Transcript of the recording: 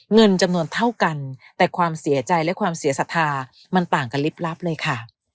เงินจำนวนเท่ากันแต่ความเสียใจและความเสียศรัทธามันต่างกันลิบลับเลยค่ะ